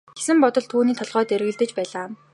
гэсэн бодол түүний толгойд эргэлдэж байлаа.